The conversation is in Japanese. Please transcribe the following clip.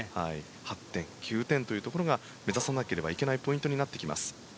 ８点９点というところが目指さなければいけないところになります。